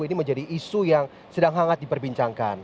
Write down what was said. ini menjadi isu yang sedang hangat diperbincangkan